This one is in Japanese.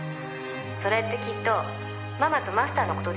「それってきっとママとマスターの事です」